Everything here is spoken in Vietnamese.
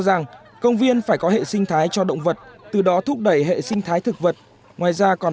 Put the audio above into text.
rằng công viên phải có hệ sinh thái cho động vật từ đó thúc đẩy hệ sinh thái thực vật ngoài ra còn